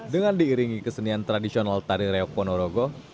dengan diiringi kesenian tradisional tari reok ponorogo